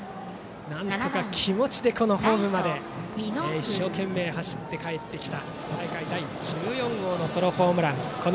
なんとか気持ちでホームまで一生懸命走ってかえってきた大会第１４号のソロホームラン。